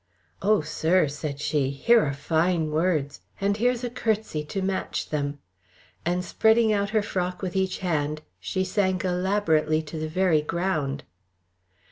"Oh, sir!" said she, "here are fine words, and here's a curtsey to match them;" and spreading out her frock with each hand, she sank elaborately to the very ground.